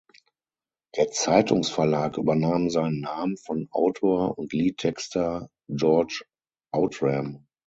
Der Zeitungsverlag übernahm seinen Namen von Autor und Liedtexter George Outram.